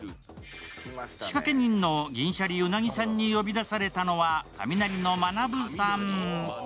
仕掛け人の銀シャリ鰻さんに呼び出されたのはカミナリのまなぶさん。